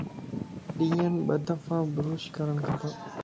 ڏينھن ٻه دفع بروش ڪرڻ کپ